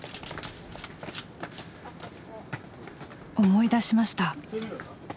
思い出しました。